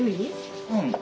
うん。